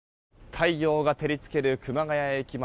太陽が照り付ける熊谷駅前。